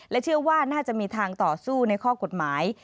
เชื่อว่าน่าจะมีทางต่อสู้ในข้อกฎหมาย